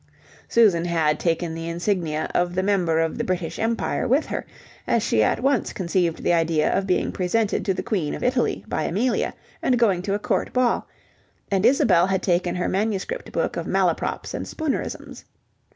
Susan had taken the insignia of the Member of the British Empire with her, as she at once conceived the idea of being presented to the Queen of Italy by Amelia, and going to a court ball, and Isabel had taken her manuscript book of Malaprops and Spoonerisms.